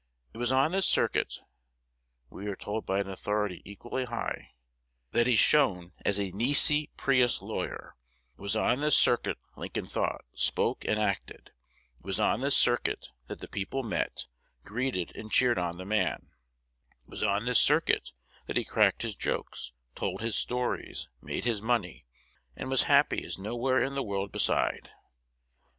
"It was on this circuit," we are told by an authority equally high, "that he shone as a nisi prius lawyer; it was on this circuit Lincoln thought, spoke, and acted; it was on this circuit that the people met, greeted, and cheered on the man; it was on this circuit that he cracked his jokes, told his stories, made his money, and was happy as nowhere in the world beside."